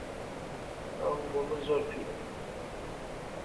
ئەو بۆ من زۆر پیرە.